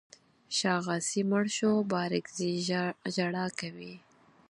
شاغاسي مړ شو بارکزي ژړا کوي.